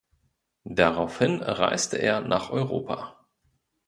Daraufhin reiste er nach Europa.